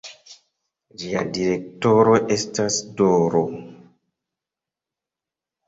Ĝia direktoro estas D-ro.